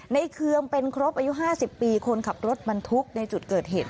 เคืองเป็นครบอายุ๕๐ปีคนขับรถบรรทุกในจุดเกิดเหตุ